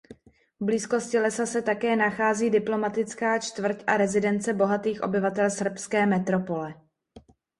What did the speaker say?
V blízkosti lesa se také nachází diplomatická čtvrť a rezidence bohatých obyvatel srbské metropole.